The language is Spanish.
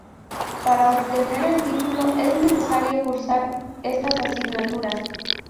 Para obtener el título es necesario cursar estas asignaturas.